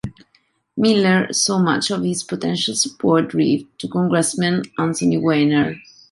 Miller saw much of his potential support drift to Congressman Anthony Weiner.